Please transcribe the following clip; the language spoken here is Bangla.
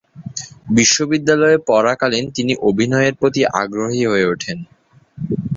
বিশ্ববিদ্যালয়ে পড়াকালীন তিনি অভিনয়ের প্রতি আগ্রহী হয়ে ওঠেন।